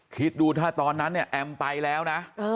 คิดดูถ้าตอนนั้นเนี่ยแอมไปแล้วนะ